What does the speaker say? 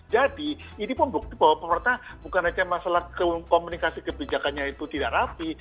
ini pun bukti bahwa pemerintah bukan hanya masalah komunikasi kebijakannya itu tidak rapi